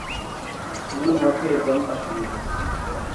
Umwe mu bashinzwe iperereza yamufashe mu ijosi.